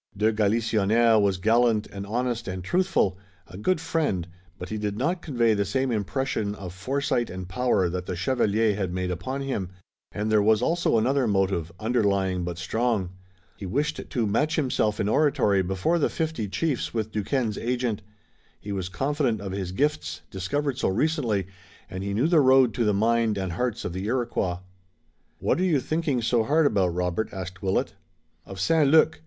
De Galisonnière was gallant and honest and truthful, a good friend, but he did not convey the same impression of foresight and power that the chevalier had made upon him, and there was also another motive, underlying but strong. He wished to match himself in oratory before the fifty chiefs with Duquesne's agent. He was confident of his gifts, discovered so recently, and he knew the road to the mind and hearts of the Iroquois. "What are you thinking so hard about, Robert?" asked Willet. "Of St. Luc.